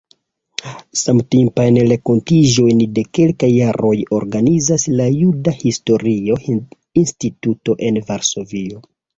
Samtipajn renkontiĝojn de kelkaj jaroj organizas la Juda Historia Instituto en Varsovio.